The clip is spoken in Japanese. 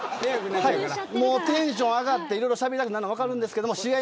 テンションが上がっていろいろしゃべりたくなるのは分かりますけど試合